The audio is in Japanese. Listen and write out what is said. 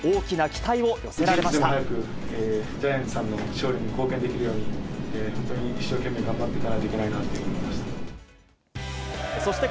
一日でも早くジャイアンツさんの勝利に貢献できるように、本当に一生懸命頑張っていかないといけないなと思いました。